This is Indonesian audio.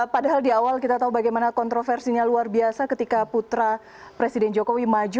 padahal di awal kita tahu bagaimana kontroversinya luar biasa ketika putra presiden jokowi maju